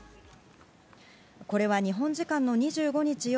これは日本時間の２５日夜